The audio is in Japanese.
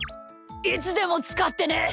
いつでもつかってね。